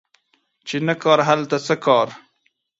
چی نه کار، هلته څه کار